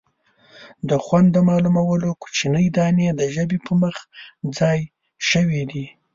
د خوند د معلومولو کوچنۍ دانې د ژبې پر مخ ځای شوي دي.